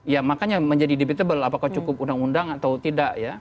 ya makanya menjadi debatable apakah cukup undang undang atau tidak ya